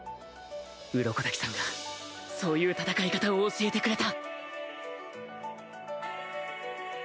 鱗滝さんがそういう戦い方を教えてくれた